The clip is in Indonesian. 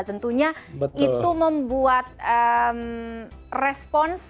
tentunya itu membuat respons